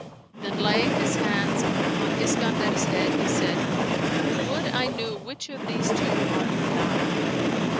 Then laying his hands on Iskandar's head he said, "Would I knew which of these two art thou."